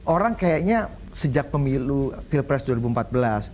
orang kayaknya sejak pemilu pilpres dua ribu empat belas